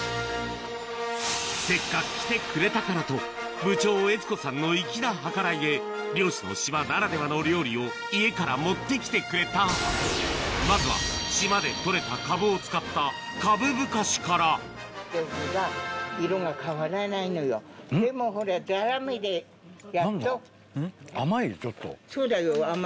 せっかく来てくれたからと部長悦子さんの粋な計らいで漁師の島ならではの料理を家から持ってきてくれたまずは島で採れたかぶを使ったそうだよ。